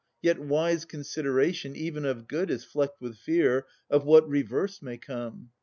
Yet wise consideration even of good Is flecked with fear of what reverse may come.